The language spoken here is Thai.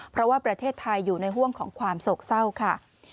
เพราะว่าประเทศไทยอยู่ในห่วงของความโศกเศร้าค่ะ